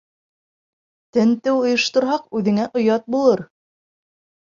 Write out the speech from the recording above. Тентеү ойошторһаҡ, үҙеңә оят булыр.